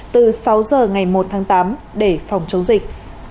từ sáu giờ ngày một tháng tám để phòng chống dịch